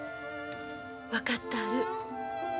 分かったある。